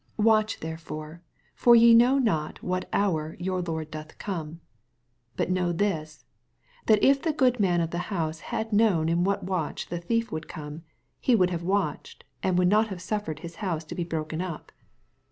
42 Watch therefore : for ye know not what hoar yoor Lord doth come. 48 But know this, that if the good man of the hoase had known in what watch the thief woald come, he woald have watched, and woald not have suffered his house to be broken up.